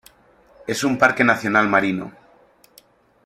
Es un parque nacional marino.